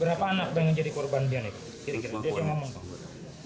berapa anak yang jadi korban dia nih